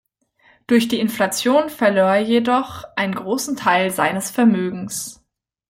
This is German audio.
Durch die Inflation verlor er jedoch einen großen Teil seines Vermögens.